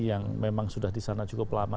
yang memang sudah disana cukup lama